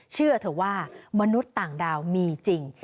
เชื่อเถอะว่ามนุษย์ต่างดาวมีจริง